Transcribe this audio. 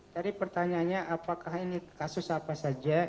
jadi pertanyaannya apakah ini kasus apa saja